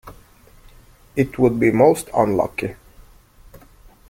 It would be most unlucky.